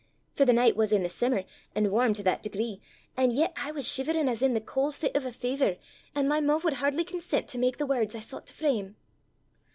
for the nicht was i' the simmer, an' warm to that degree! an' yet I was shiverin' as i' the cauld fit o' a fivver; an' my moo' wud hardly consent to mak the words I soucht to frame!